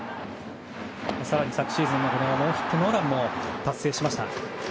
更に昨シーズンはノーヒットノーランも達成しました。